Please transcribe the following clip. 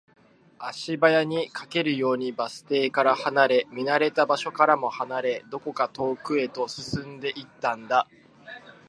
足早に、駆けるようにバス停から離れ、見慣れた場所からも離れ、どこか遠くへと進んでいったんだ